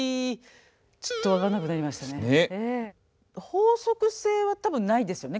法則性は多分ないですよね